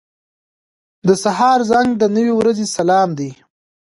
• د سهار زنګ د نوې ورځې سلام دی.